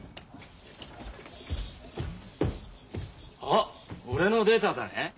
あっ俺のデータだね。